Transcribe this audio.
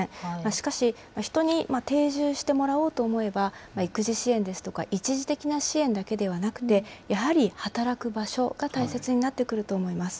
しかし、人に定住してもらおうと思えば、育児支援ですとか、一時的な支援だけではなくて、やはり働く場所が大切になってくると思います。